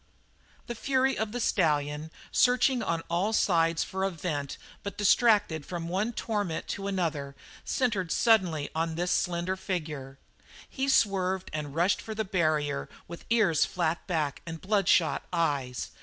The fury of the stallion, searching on all sides for a vent but distracted from one torment to another, centred suddenly on this slender figure. He swerved and rushed for the barrier with ears flat back and bloodshot eyes.